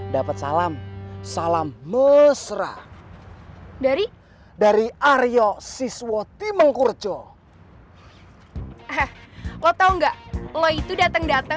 dapet salam salam mesra dari dari aryo siswo timengkurco lo tau nggak lo itu dateng dateng